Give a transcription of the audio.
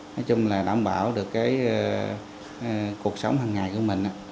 nói chung là đảm bảo được cái cuộc sống hằng ngày của mình